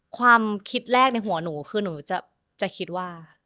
ความคิดแรกในหัวหนูคือหนูจะคิดว่า